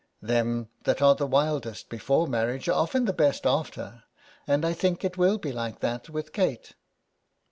''Them that are the wildest before marriage are often the best after, and I think it will be like that with Kate."